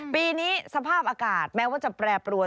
ปีนี้สภาพอากาศแม้ว่าจะแปรปรวน